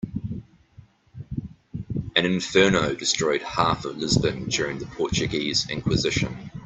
An inferno destroyed half of Lisbon during the Portuguese inquisition.